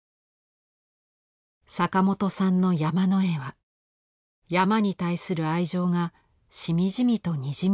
「坂本さんの山の絵は山に対する愛情がしみじみとにじみ出ています。